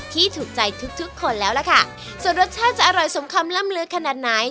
ถูกใจทุกทุกคนแล้วล่ะค่ะส่วนรสชาติจะอร่อยสมคำล่ำลือขนาดไหน